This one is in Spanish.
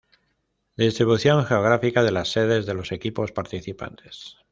Distribución geográfica de las sedes de los equipos participantes.